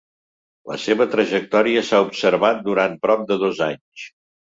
La seva trajectòria s'ha observat durant prop de dos anys.